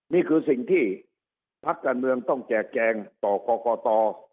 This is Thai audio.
นี่คือสิ่งที่พักการเมืองต้องแจกแจงต่อกรกต